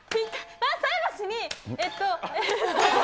菜箸に、えっと。